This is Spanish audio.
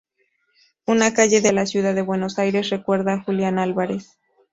Una calle de la ciudad de Buenos Aires recuerda a Julián Álvarez.